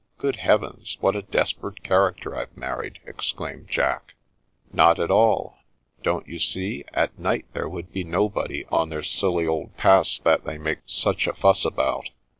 ''" Good heavens, what a desperate character I've married !" exclaimed Jack. " Not at all. Don't you see, at night there would be nobody on their silly old Pass that they make such a fuss about.